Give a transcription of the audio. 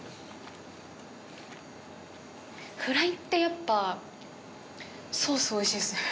フライって、やっぱ、ソース、おいしいですね。